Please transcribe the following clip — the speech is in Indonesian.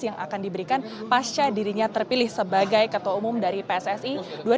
yang akan diberikan pasca dirinya terpilih sebagai ketua umum dari pssi